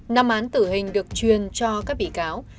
năm án tử hình được truyền cho các bị cáo